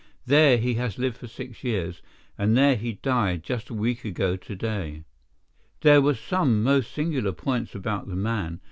There he has lived for six years, and there he died just a week ago to day. "There were some most singular points about the man.